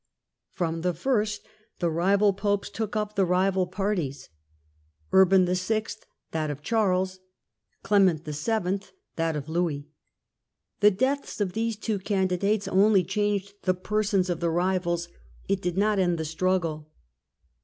From the first the rival Popes took up the rival parties, Urban VI. that of Charles, Clement VII. that of Louis. The deaths of these two candidates only changed the persons of the rivals, it did not end the struggle.